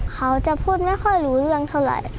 เขาจะพูดไม่ค่อยรู้เรื่องเท่าไหร่